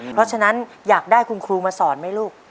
เพราะฉะนั้นอยากได้คุณครูมาสอนไหมลูก